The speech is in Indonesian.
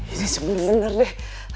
ini sebenernya bener deh